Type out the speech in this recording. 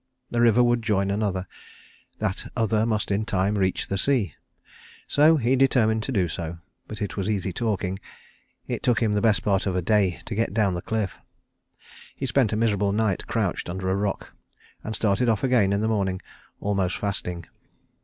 The river would join another; that other must in time reach the sea. So he determined to do; but it was easy talking. It took him the best part of a day to get down the cliff. He spent a miserable night crouched under a rock, and started off again in the morning almost fasting.